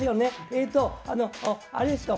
えとあれですよ